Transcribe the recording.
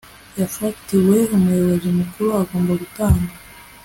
yafatiwe umuyobozi mukuru agomba gutanga